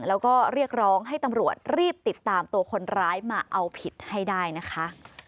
แล้วก็เรียกร้องให้ตำรวจรีบติดตามตัวคนร้ายมาเอาผิดให้ได้นะคะ